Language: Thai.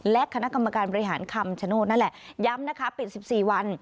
และคณะกรรมการบริหารคำชโนธนั่นแหละย้ำนะคะปิด๑๔วัน